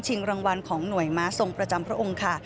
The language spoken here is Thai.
รางวัลของหน่วยม้าทรงประจำพระองค์ค่ะ